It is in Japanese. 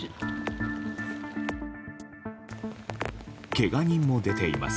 けが人も出ています。